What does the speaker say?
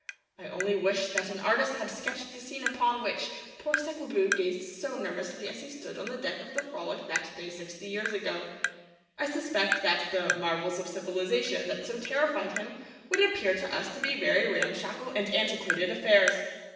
I only wish that an artist had sketched the scene upon which poor Sekwebu gazed so nervously as he stood on the deck of the Frolic that day sixty years ago. I suspect that the 'marvels of civilization' that so terrified him would appear to us to be very ramshackle and antiquated affairs.